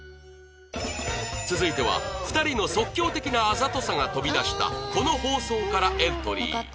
続いては２人の即興的なあざとさが飛び出したこの放送からエントリー